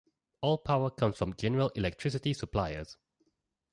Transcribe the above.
All power comes from general electricity suppliers.